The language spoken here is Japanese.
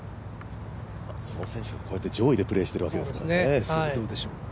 その選手がこうやって上位でプレーしているわけですからね。